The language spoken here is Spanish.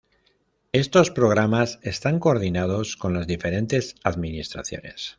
Estos programas están coordinados con las diferentes administraciones.